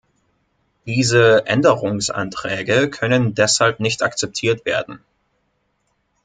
Diese Änderungsanträge können deshalb nicht akzeptiert werden.